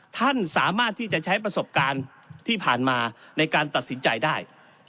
ท่านสามารถที่จะใช้ประสบการณ์ที่ผ่านมาในการตัดสินใจได้